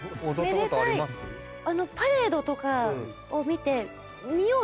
パレードとかを見て見よう